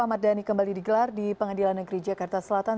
ahmad dhani kembali digelar di pengadilan negeri jakarta selatan